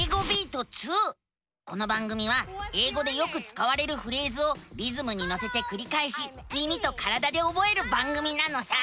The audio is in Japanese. この番組は英語でよくつかわれるフレーズをリズムにのせてくりかえし耳と体でおぼえる番組なのさ！